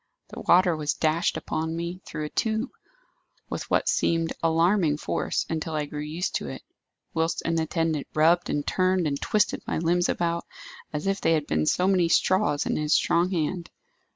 The water was dashed upon me, through a tube, with what seemed alarming force until I grew used to it; whilst an attendant rubbed and turned and twisted my limbs about, as if they had been so many straws in his strong hand.